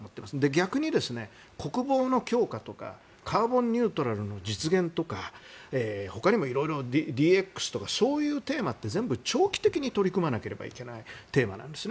逆に国防の強化とかカーボンニュートラルの実現とか他にもいろいろＤＸとかそういうテーマって全部、長期的に取り組むテーマなんです。